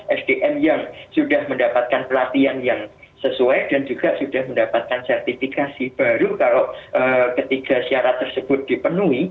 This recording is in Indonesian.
sdm yang sudah mendapatkan pelatihan yang sesuai dan juga sudah mendapatkan sertifikasi baru kalau ketiga syarat tersebut dipenuhi